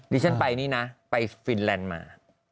ดิฉันไปนี่นะไปฟินแลนด์มา